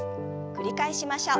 繰り返しましょう。